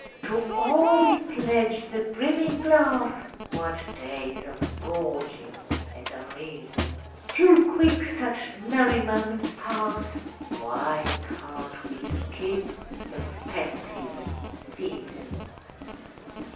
_) To all we pledge the brimming glass! (What days of gorging and unreason!) Too quick such merry moments pass (_Why can't we skip the "festive season"?